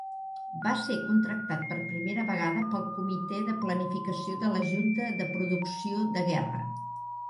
Va ser contractat per primera vegada pel Comitè de Planificació de la Junta de Producció de Guerra.